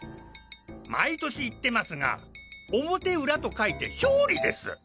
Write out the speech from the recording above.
毎年言ってますが表裏と書いて「ひょうり」です。